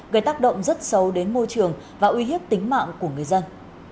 gây tác động rất sâu đến môi trường và uy hiếp tính mạng của người dân